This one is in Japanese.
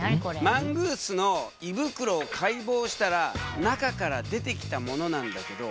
マングースの胃袋を解剖したら中から出てきたものなんだけどこれ何だと思う？